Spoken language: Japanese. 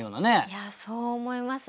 いやそう思いますね。